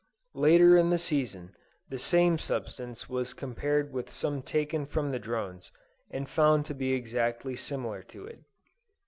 Later in the season, the same substance was compared with some taken from the drones, and found to be exactly similar to it.